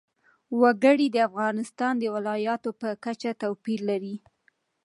وګړي د افغانستان د ولایاتو په کچه توپیر لري.